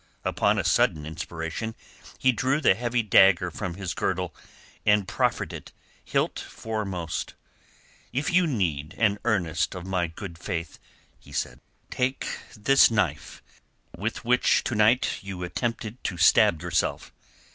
Upon a sudden inspiration he drew the heavy dagger from his girdle and proffered it, hilt foremost. "If you need an earnest of my good faith," he said, "take this knife with which to night you attempted to stab yourself.